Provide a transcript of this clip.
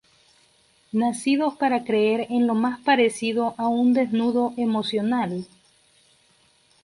Nacidos para creer es lo más parecido a un desnudo emocional.